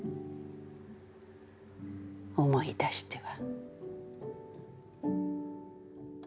思い出しては。」。